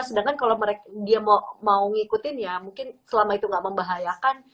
sedangkan kalau dia mau ngikutin ya mungkin selama itu gak membahayakan